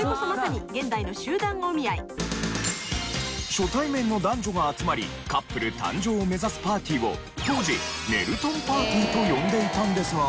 初対面の男女が集まりカップル誕生を目指すパーティーを当時「ねるとんパーティー」と呼んでいたんですが。